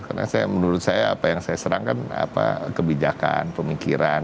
karena menurut saya apa yang saya serang kan kebijakan pemikiran